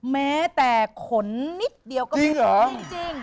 แม้แต่ขนนิดเดียวก็มีเศรษฐ์จริง